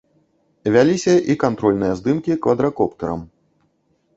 Вяліся і кантрольныя здымкі квадракоптэрам.